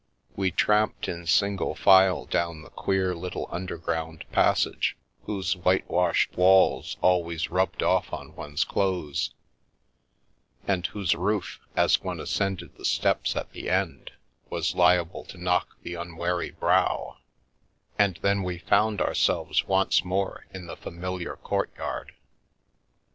We tramped in single file down the queer little underground passage whose white washed walls always rubbed off on one's clothes, and whose roof, as one ascended the steps at the end, was liable to knock the unwary brow, and then we found ourselves once more in the familiar courtyard.